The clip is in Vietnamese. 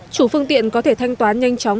chủ phương tiện có thể thanh toán nhanh chóng